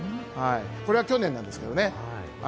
これは去年なんですけどね。